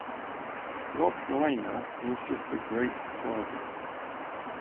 Rob Reiner was just a great target.